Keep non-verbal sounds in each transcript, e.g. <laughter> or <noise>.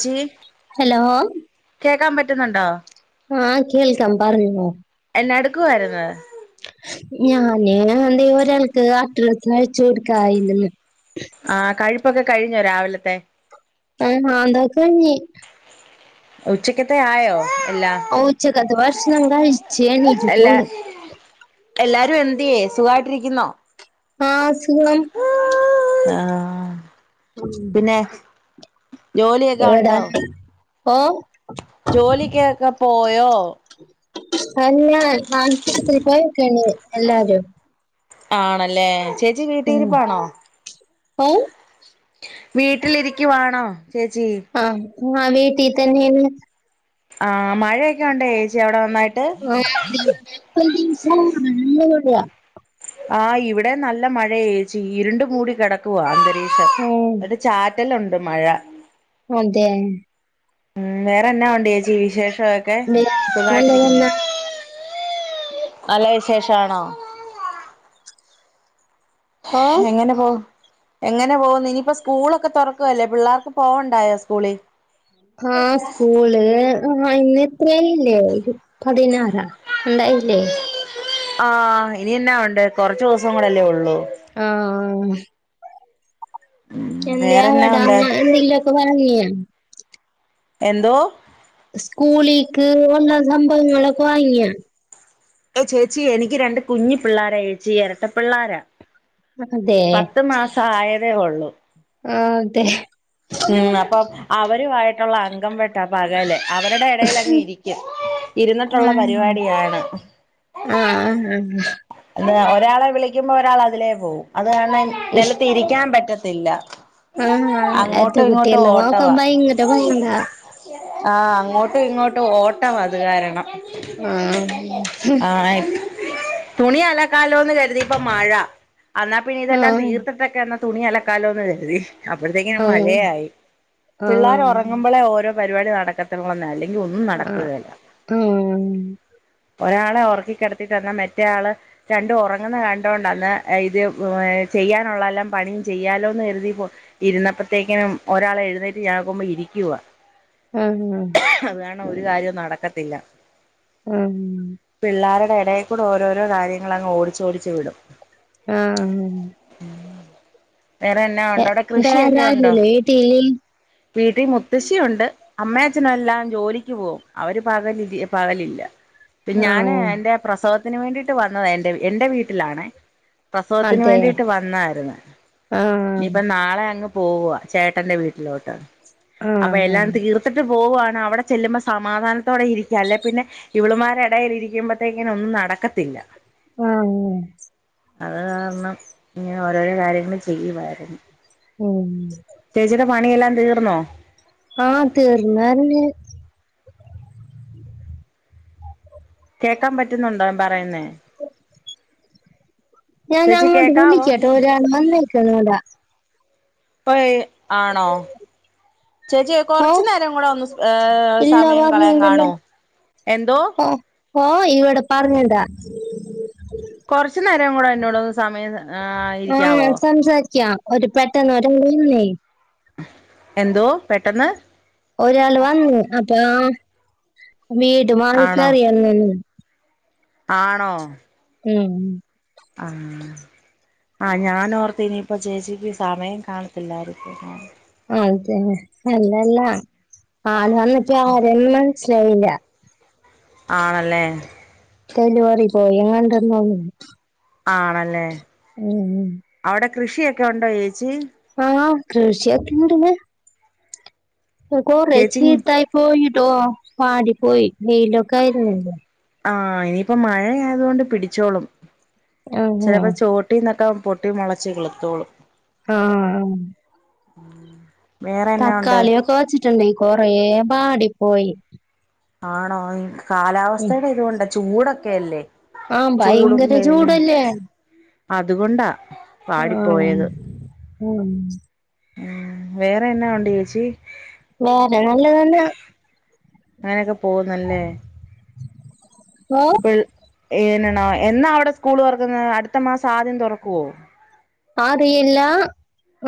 ച്ച് ഹലോ കേക്കാൻ പറ്റുന്ന്ണ്ടോ ആാ കേൾക്കം പറഞ്ഞോ എന്നാ എട്ക്കുവാരുന്ന് ഞാന് എന്തേ ഒരാൾക്ക് <unintelligible> അറ്റെന്റെൻസ് അഴിച്ച് കൊടുക്കായിര്ന്ന് ആ കഴ്പ്പൊക്കെ കഴിഞ്ഞോ രാവി ലത്തെ ആാ <unintelligible> ഉച്ചക്ക്യാത്തെ ആയോ എല്ലാ ഓ ഉച്ചാക്കത്തെ ബഷണം കഴിച്ച് എണിറ്റിട്ടേ ഒള്ളു എന്ത്യാ സുഖായിട്ടിരിക്ക്ന്നോ ആഹ സുഖം ആ ഉം പിന്നെ ജോലിയൊക്കെ ഉണ്ടോ ഓ ജോലിക്ക ഒക്കെ പോയോ <unintelligible> പ്പക്കാണ് എല്ലാരും ആണല്ലേ ചേച്ചി വീട്ടീരിപ്പാണോ ഉം വീട്ടിലിരിക്കുവാണോ ചേച്ചി ആഹ് ആ വേട്ടിത്തന്നെണ് ആഹ് മഴയൊക്കെ ഉണ്ട ചേച്ചി അവിടെ വന്നായി <unintelligible> ആഹ് ഇവിടെ നല്ല മഴേച്ചി ഇരുണ്ട് മൂടി കിടക്കുവാ അന്തരീ ഇട്ട് ചാറ്റലുണ്ട് മഴ അതെ ഉം വേറെ എന്നാ ഉണ്ട് ചേച്ചി വിശേഷൊക്കെ വേറെ സുഖായിട്ടിരിക്കുന്നു നല്ലതെന്നാ നല്ല വിശേഷാണോ ഓ എങ്ങനെ പോ എങ്ങനെ പോകുന്നു ഇനിയിപ്പോ സ്കൂളൊക്കെ തുറക്കുവല്ലേ പിള്ളേർക്ക് പോവണ്ടായോ സ്കൂളി ആ സ്കൂള് ആ ഇന്നത്തെല്ലേ ഇത് പതിനാറ ഉണ്ടായില്ലേ ആ ഇനിന്നാ ഉണ്ട് കുറച്ച് ദിവസം കൂടെല്ലേ ഉള്ളൂ ഉം ഉം എന്തയാ വേറെന്നാ വടാ ഉണ്ട് എന്തെങ്കിലുമൊക്കെ വാങ്ങിയാ എന്തോ സ്കൂളിക്ക് ഉള്ള സംഭവങ്ങളൊക്കെ വാങ്ങിയ ഏ ചേച്ചി എനിക്ക് രണ്ട് കുഞ്ഞി പിള്ളോരാ ചേച്ചി ഇരട്ട പിള്ളാരാ അതെ പത്ത് മാസ ആയതേ ഉള്ളു ആഹ് അതെ അപ്പം അവരുമായിട്ടുള്ള അംഗം വെട്ട പകല് അവരുടെ ഇടൽ അങ്ങ് ഇരിക്കും ഇരുന്നിട്ടുള്ള പരിപാടിയാണ് ആഹഹ എ ഒരാളെ വിളിക്കുമ്പോ ഒരാൾ അതിലേ പോവും അത് കാര നിലത്തി ഇരിക്കാൻ പറ്റത്തില്ല ആ അറ്റ അങ്ങോട്ടും ഇങ്ങോട്ടും കുട്ടിയെല്ലാം നോക്ക ഓട്ടവാ ഭയങ്കര പാട ആഹ് അങ്ങോട്ടും ഇങ്ങോട്ടും ഓട്ടം അത് കാരണം ആഹ് ആയി തുണി അലക്കാലോന്ന് കരുതി ഇപ്പ മഴ എന്നാൽ പിന്നെ ഇതെല്ലാം ആഹ് തീർത്തിട്ടൊക്കെന്ന് തുണി അലക്കാലോന്ന് കരുതി അപ്പോഴത്തേക്കി ആഹ് മഴയായി പിള്ളേർ ആഹ് ഉറങ്ങുമ്പോളെ ഓരോ പരിപാടി നടക്കത്തിള്ളൂന്ന അല്ലെങ്കിൽ ഒന്നും ആഹ് നടക്കുകേല ആഹ് ഒരാളെ ഓർക്കിക്കിടത്തി തന്നാ മേ മറ്റ ആൾ രണ്ട് ഉറങ്ങുന്നത് കണ്ടുകൊണ്ടന്ന് ഇത് ചെയ്യാനുള്ളല്ലാം പണിയും ചെയ്യാലോ ലോന്ന് കരുതി പ്പോ ഇരുന്നപ്പോത്തേക്കിനും ഒരാളെ എഴുന്നേറ്റ് ഞാക്കുമ്പോ ഇരിക്കുവാ അത് വണം ഒരു കാര്യം നടക്കത്തില്ല ആ എവിടേൽക്കൂടെ ഓരോരോ കാര്യങ്ങൾ അങ്ങ് ഓടിച്ചോടിച്ച് വിടും ആ വേറെന്നാ ഉണ്ടോ അവിടെ വേറെ കൃഷിയൊക്കെ ഉണ്ടോ ആരുല്ല വീട്ടില് വീട്ടിൽ മുത്തശ്ശിയുണ്ട് അമ്മ അച്ഛനും എല്ലാം ജോലിക്ക് പോവും അവര് പകല പകലില്ല ആ ഞാന് എന്റെ പ്രസവത്തിന് വേണ്ടിട്ട് വന്നത് എന്റെ എൻ്റെ വീട്ടിലാണേ പ്രസവത്തിന് അതെ വേണ്ടിയിട്ട് വന്നായിരുന്നു ആ ഇനിയിപ്പ നാളെ അങ്ങ് പോവാ ചേട്ടന്റെ വീട്ടിലോട്ട് ആ അപ്പൊ എല്ലാ തീർത്തിട്ട് പോവുവാണ് അവിടെ ചെല്ലുമ്പോൾ സമാധാനത്തോടെ ഇരിക്കുക അല്ലെ പിന്നെ ഇവളുമാരു ഇടയിൽ ഇരിക്കുമ്പോഴത്തേക്കങ്ങനെ ഒന്നും നട <unintelligible> ക്കത്തില്ല ആ അങ്ങനെ അത് കാരണം ഇങ്ങനെ ഓരോരോ കാര്യങ്ങൾ ചെയ്യുവാരുന്നു മ് തീർന്നോ ആ തീർന്നറ്ഞ്ഞ് കേക്കാ പറ്റുന്നുണ്ടോ നാൻ പറയുന്നേ? ചേച്ചി ഞാനങ്ങോട്ട് കേക്കാവോ വിളിക്കട്ടോ ഒരാള് വന്നേക്കണെവെടാ <unintelligible> ആണോ? ചേച്ചിയെ ഓ കൊറച്ചു നേരം കൂടെ ഒന്ന് ഏ ഇല്ല സമയം കളയാൻ പറഞ്ഞില്ലല്ലോ കാണോ എന്തോ ഓ ഓ ഇവിടെ പറഞ്ഞതാ കൊറച്ചു നേരം കൂടെ എന്നോടന്ന് സമയം ആ ഇരിക്കാവോ സംസാരിക്ക ഒരു പെട്ടന്ന് ഒരാണാണേ എന്തോ പെട്ടെന്ന് ഒരാള് വന്ന് അപ്പൊ വീട്മാറി ആണോ കേറിയന്നന്ന് ആണോ മ് ആഹ് ആ ഞാനോർത്ത് ഇനിയിപ്പം ചേച്ചിക്ക് സമയം കാണത്തില്ലായിരിക്കുംന്ന് അതെന്നെ അല്ലല്ലാ ആ ആരാന്നിക്യാദിയം മനസ്സിലായില്ല്യ ആണല്ലേ ഡെലിവറി ബോയിങ്ങാണ്ടന്നാന്നുണു ആണല്ലേ ഉം ഉം അവിടെ കൃഷിയൊക്കെ ഉണ്ടോ ചേച്ചി ആഹ കൃഷിയൊക്കെണ്ടെന്നേ കൊറേ ചേച്ചി ചീത്തായി പോയിടോ വാടി പോയി വെയിലൊക്കെ ആയിരുന്നില്ലേ ആഹ ഇനിയിപ്പം മഴയായതോണ്ട് പിടിച്ചോളും ആഹ് ചെലപ്പോ ചോട്ടിന്നൊക്കെ പൊട്ടി മൊളച്ച് കിളത്തോളും ആ ആ <inaudible> ഉണ്ട് തക്കാളിയൊക്കെ വെച്ചിട്ടുണ്ടേ കൊറേ വാടി പോയി ആണോ <unintelligible> കാലാവസ്ഥയുടെ ഇത് കൊണ്ട ചൂടൊക്കെ അല്ലേ അ ഭയങ്കര ചൂടല്ലേ അതുകൊണ്ടാ ആഹ് വാടിപ്പോയത് ഉം ഉം വേറെ എന്ന ഉണ്ട് ചേച്ചി വേറെ നല്ലതന്നെ <inaudible> അങ്ങനക്കെ പോവുന്നല്ലേ ഓ ഏ <unintelligible> ണ എന്നാ അവ്ടെ സ്കൂള് തൊറക്കുന്നേ അടുത്ത മാസം ആദ്യം തുറക്കുവോ അറിയില്ലാ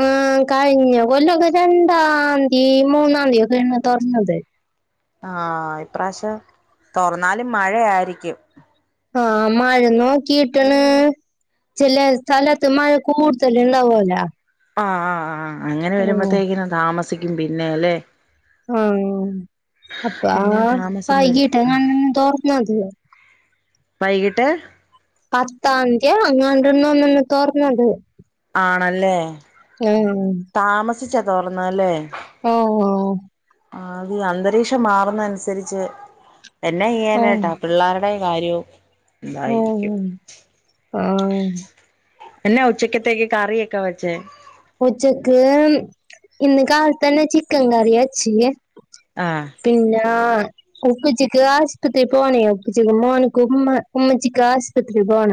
ആ കഴിഞ്ഞ കൊല്ലൊക്കെ രണ്ടാംന്തി മൂന്നാന്തി ഒക്കെണ് തൊറന്നത്. ആ ഇപ്രാശ്യം തൊറന്നാലും മഴയായിരിക്കും ആ മഴ നോക്കീട്ട്ണ് ചില സ്ഥലത്ത് മഴ കൂടുതല്ണ്ടാവൊ ല്ലോ ആ... അങ്ങനെ വരുമ്പോത്തേക്കിന് താമസിക്കും പിന്നെ അല്ലെ ആഹ് അപ്പൊ ആ പിന്നെ താമസം വരും വൈകിട്ടങ്ങാനാണ്ടാ തോർന്നത് വൈകിട്ട് പത്താന്ത്യാ അങ്ങാണ്ടുന്നോന്ന്ണ് തൊർന്നത് ആണല്ലേ ഉം ചിച്ച. തൊറന്നല്ലേ ആ ഔ ഓ ആ അത് അന്തരീക്ഷം മാറുന്ന അനുസരിച്ച് എന്നെയ്യാനട്ടാ. പിള്ളാരുടെ കാര്യവും ഓ എന്തായിരിക്കും ഉം ആഹ് എന്നെ ഉച്ചക്കത്തേക്ക് കറിയൊക്കെ- വെച്ചേ ഉച്ചക്ക് ഇന്ന് കാലത്തന്നെ ചിക്കൻ കറി വെച്ചേ ആഹ് ആഹ് ഉപ്പച്ചിക്ക് ആസ്പത്രി പോണേ. പ്പച്ചിക്ക് മോനുക്ക് ഉമ്മ ഉമ്മച്ചിക്ക് ആസ്പത്രി ദോണ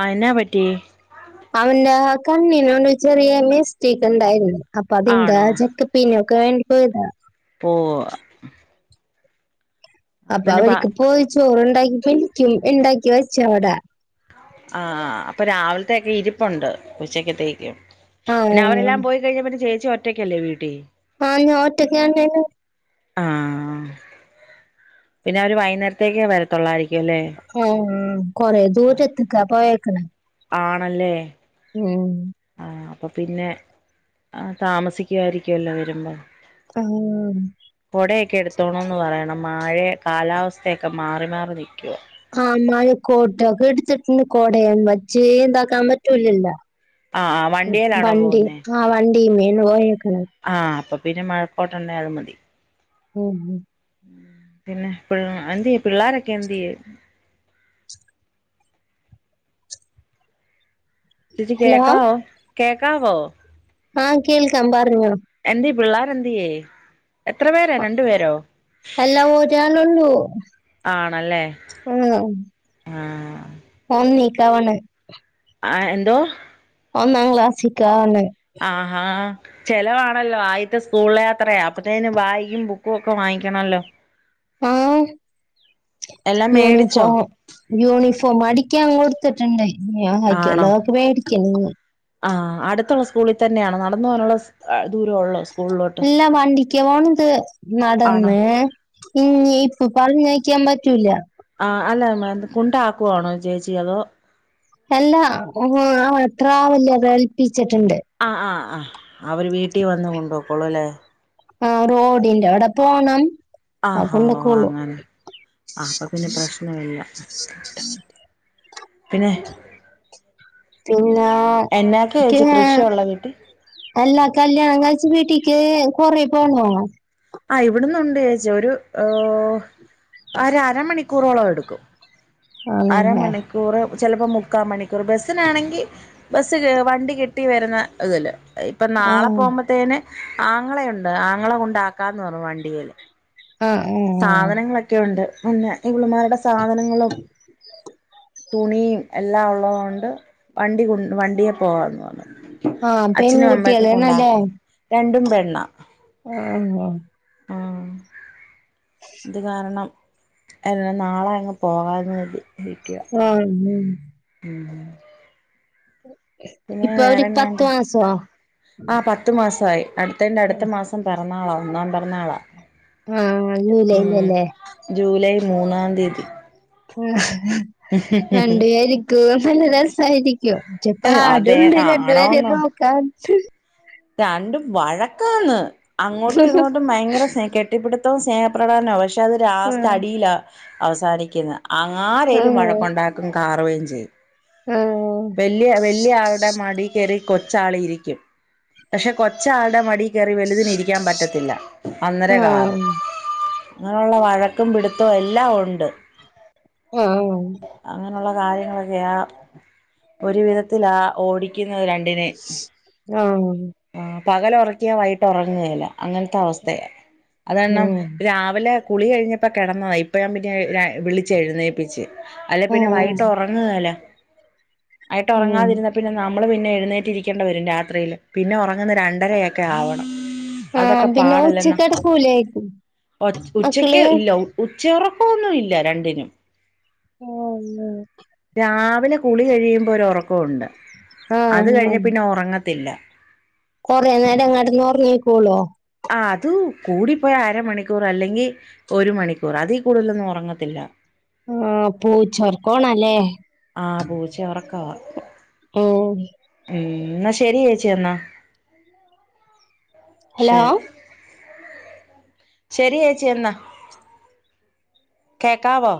ആ യെന്നാ പറ്റി അവന്റെ കണ്ണിനോട ചെറിയ മിസ്റ്റെയ്ക്ക്ണ്ടായിരുന്ന് അപ്പൊ അതെന്താ ആണോ ചെക്കപ്പിനെക്കെ വേണ്ടിപ്പോയതാ ഓഹ് അപ്പൊ അപ്പത്തന്നെ പ അവരിക് പോയി ചോറ്ണ്ടാക്കി കഴിക്കും ഇണ്ടാക്കി വെച്ചവട ആഹ് അപ്പൊ രാവിൽത്തൊക്കെ ഇരിപ്പുണ്ട് ഉച്ചക്കത്തേകും---ഉച്ചക്കത്തേകും ആ പിന്ന അവരെല്ലാം പോയി കഴിഞ്ഞപ്പത്തെ ചേച്ചി ഒറ്റയ്ക്കല്ലേ വീട്ടീ അയിന് ഓൻ ഒറ്റക്കാണുന്നെന് ആഹ, പിന്നെ അവര് വൈന്നേരത്തേക്കെ. വരത്തുള്ളായി ആ കൊറേ ദൂരത്ത്കാ പോയേക്ണ് ആണല്ലേ മ് ആ, അപ്പം, പിന്നെ. താമസിക്കുകായിരിക്കുല്ലോ വരുമ്പോ ആ, കൊടയൊക്കെ എടുത്തോണന്ന് പറയണം മഴ കാലാവസ്ഥയൊക്കെ മാറി, മാറി, നികൊ ആ, മയ കോട്ടക്കെടുത്തിട്ട്ണ്ട്. കോടയാൻ വച്ചേ ഇതാക്കാൻ പറ്റൂലല്ല ആഹ് ആഹ് മ്മ്. വണ്ടിയേലാണോ വണ്ടി, ആഹ വണ്ടി മീൺപൊയെര് ആഹ, അപ്പൊ പിന്നെ. മഴക്കോട്ടണ്ടെന്തായാലും മതി മ് മ്മ് പിന്നെ പിള്ളേ എന്ത്യേ പിള്ളോരൊക്കെ എന്ത്യെയെ ചേച്ചി ഹലോ കേക്കാവോ, കേക്കാവോ ആ, കേൾക്കാം പർഞ്ഞോ പിള്ളാരെന്തിയേ എത്ര പേരാ രണ്ടു പേരോ അല്ലാ ഓരാളൊള്ളു ആണല്ലേ പെന്നോ ആഹ് പ്പാ, നീക്കാവാണ് ആ, ഹ, എന്തോ ഒന്നാ ക്ലാസിക്കാണ്. ആഹാ ചെലവാണല്ലോ ആയിത്തെ സ്കൂള് യാത്രയാ അപ്പത്തേന് ബായ്കും ബുക്കും ഒക്കെ വാങ്ങീയ്ക്കണല്ലോ ആഹ എൽ യൂണിഫോം, യൂണിഫോം, അടിക്യാൻ കൊടുത്തിട്ടുണ്ട്. ആണോ ഞാൻവയ്ക്കുള്ളൊക്കെ. മേടിക്കെ മ് ആഹ്. അട് സ്കൂളിൽ തന്നെയാണോ നടന്ന് പോവാനുള്ള ദൂരൊഒള്ളൊ ദൂരയൊള്ളോ ഇല്ലാ വണ്ടിക്ക പോണത് ആണോ നടന്ന് ഇഞ് ഇപ്പൊ പറഞ്ഞയക്യൻപ്പ ആ, അല്ല മേ കൊണ്ടാക്കുവാണോ ചേചീ അതോ അല്ലാ ഒ ഓ ട്രാവല്യർ ഏൽപ്പിച്ചിട്ടിണ്ട് ആ അവർ വീട്ടിൽ വന്ന് കൊണ്ടോക്കോളൂല്ലേ ആ റോഡിന്റെ അവിടെ പോണം അത് ആഹോ കൊണ്ടക്കോളൂ അങ്ങനെ അപ്പൊ പിന്നെ പ്രശ്നല്ല പിന്നെ പിന്നെ എന്നാക്കെ ഇക്യ ചേച്ചി കൃഷിയുള്ള വീട്ടി അല്ല കല്യാണം കഴ വീട്ടിക്ക് കൊറേ പോണോ ആഹ് ഇവിടന്ന് ഉണ്ട് ചേച്ചി ഒരു ഓഹ് അര അരമണിക്കൂറോളം എടുക്കും ആണല്ലേ അരമണിക്കൂറ് ചിലപ്പോ മുക്കാ മണിക്കൂർ ബസിനാണെങ്കി ബസ്സ് വണ്ടി കിട്ടി വരുന്ന ഇതില് ഇപ്പൊ ആ നാളെ പോകുമ്പോത്തേന് ആങ്ങളയുണ്ട് ആങ്ങള കൊണ്ടാക്കാന്ന് പറഞ്ഞു വണ്ടില് ആഹ് സാധനങ്ങളൊക്കെ ഉണ്ട് പിന്നെ ഇവളുമാരുടെ സാധനങ്ങളും തുണിയും എല്ലാം ഉള്ളത് കൊണ്ട് വണ്ടി <unintelligible> വണ്ടിയെ പോകാന്ന് പറഞ്ഞു ആ അച്ഛനും അമ്മൊക്കെ പെൺകുട്ടികളാണല്ലേ കൊണ്ടാക്കാം രണ്ടും പെണ്ണ ആഹ് ആഹ് ഇത് കാരണം എന്ന നാളെ അങ്ങ് പോകാന്ന് കരുതി ആഹ് ഉം ഉം <inaudible> പിന്നെ ഇപ്പൊ ഒരു പത്ത് വേറെഞാണ്ട്, മാസോ ആ പത്തു മാസയി അടുത്തന്റെ അടുത്ത മാസം പിറന്നാളാ ഒന്നാം പിറന്നാളാ ആഹ് ഉം ജൂലൈയിലല്ലേ ജൂലൈ മൂന്നാം തീയതി ആഹ് ഇ <inaudible> രണ്ടു പേരിക്കും നല്ല രസയിരിക്കും പക്ഷേ അതെ പാടുണ്ട് രണ്ടുപേരേം ആണോന്നോ നോക്കാൻ ശരി രണ്ടും വഴക്കാന്ന് അങ്ങോട്ടും ഇങ്ങോട്ടും ഭയങ്കര സ്നെ കെട്ടിപ്പിടുത്ത മൊത്തോം സ്നേഹപ്രകടന പക്ഷെ അത് ലാസ്റ്റ് ആഹ് അടിയിലാ അവസാനിക്കുന്നേ ആരേലും ആഹ് വഴക്കുണ്ടാക്കും കാറുകയും ചെയ്യും ആഹ് വല്യ വല്യ ആളുടെ മടി കയറി കൊച്ചാള് ഇരിക്കും പക്ഷെ കൊച്ചാളുടെ മടി കയറി വലുതിന് ഇരിക്കാൻ പറ്റത്തില്ല അന്നേരം കാറും അങ്ങനെയുള്ള വഴക്കും പിടുത്തവും എല്ലാം ഉണ്ട് ആഹ് കാര്യങ്ങളൊക്കെ ആ ഒരു വിധത്തില ആ ഓടി ആഹ് പകലൊറക്കിയ വൈകിട്ട് ഉറങ്ങുകേല അങ്ങനത്തെ അവസ്ഥയ അത് കാരണം ഉം രാവിലെ കുളി കഴിഞ്ഞപ്പോ കിടന്നതാ ഇപ്പഴാ പിന്നെ ഞാൻ വിളിച്ച് എഴുന്നേപ്പിച്ച് അല്ലെ പിന്നെ ആഹ് വൈകിട്ട് ഉറങ്ങുകേല്ല വൈകിട്ട് ഉം ഉറങ്ങാതിരുന്ന പിന്നെ നമ്മള് പിന്നെ എഴുന്നേറ്റിരിക്കേണ്ടി വരും രാത്രിയില് പിന്നെ ഉറ ഉറങ്ങുന്നേ രണ്ടരയൊക്കെ ആവണം ആഹ് അതൊക്കെ പിന്നെ ഉച്ചക്ക് പാടല്ലെന്നാ കെടക്കൂലായിരിക്കും ഒച്ച ഉച്ചക്ക് മക്കള് ഇല്ല ഉച്ചയൊറക്കൊന്നും ഇല്ല രണ്ടിനും ഉം <inaudible> രാവിലെ കുളി കഴിയുമ്പോ ഒരു ഒറക്കൊണ്ട് അത് കഴിഞ്ഞ ആഹ് പിന്നെ ഉറങ്ങത്തില്ല കൊറേ നേരം കെടന്ന ഉറങ്ങിക്കോളുവോ ആ അത് കൂടിപ്പോയ അരമണിക്കൂർ അല്ലെങ്കി ഒരു മണിക്കൂർ അതീ കൂടുതലൊന്നും ഉറങ്ങത്തില്ല ആഹ് പൂച്ചോർക്കാണല്ലേ ആ പൂച്ച ഉറക്കവാ ആഹ് ഉം ന്നാ ശെരി ചേച്ചി എന്നാ ഹലോ ശരി ശരി ചേച്ചി എന്ന കേക്കാവോ